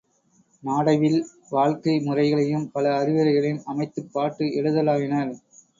நாடைவில் வாழ்க்கை முறைகளையும் பல அறிவுரைகளையும் அமைத்துப் பாட்டு எழுதலாயினர்.